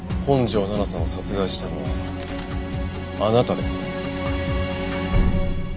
本条奈々さんを殺害したのはあなたですね。